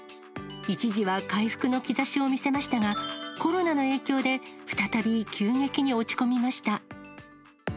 一時は回復の兆しを見せましたが、コロナの影響で再び急激に落ち込みました。